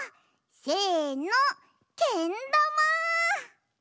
せのけんだま！